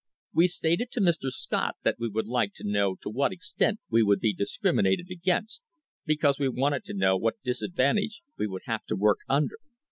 We stated to Mr. Scott that we would like to know to what extent we would be discriminated against, because we wanted to know what disadvantage we would have to work under.